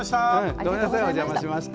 お邪魔しました。